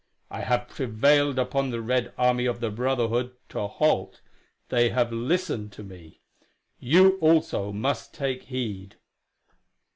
I have prevailed upon the Red Army of the Brotherhood to halt. They have listened to me. You, also, must take heed.